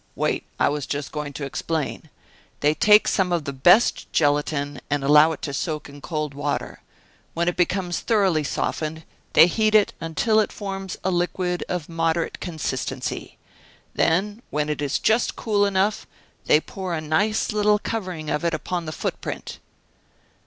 "Wait: I was just going to explain. They take some of the best gelatine, and allow it to soak in cold water. When it becomes thoroughly softened, they heat it until it forms a liquid, of moderate consistency. Then when it is just cool enough, they pour a nice little covering of it upon the footprint."